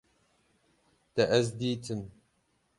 Te ez dîtim